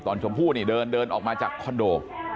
ตอนชมพู่เนี่ยเดินออกมาจากคอนโด